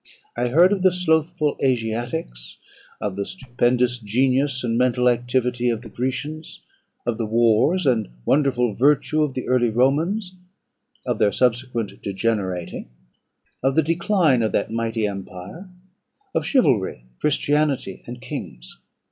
I heard of the slothful Asiatics; of the stupendous genius and mental activity of the Grecians; of the wars and wonderful virtue of the early Romans of their subsequent degenerating of the decline of that mighty empire; of chivalry, Christianity, and kings.